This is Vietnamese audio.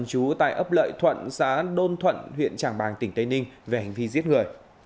trú tại ấp lợi thuận xã đôn thuận huyện tràng bàng tỉnh tây ninh về hành vi giết người